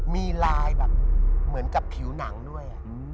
มีลายแบบเหมือนกับผิวหนังด้วย